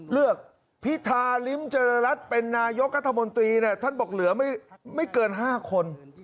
เลือกพิธาริมเจริญรัฐเป็นนายกรัฐมนตรีท่านบอกเหลือไม่เกิน๕คน